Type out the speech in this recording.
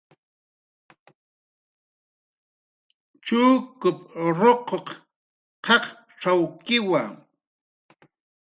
Chukup ruquq qaqcxawkiwa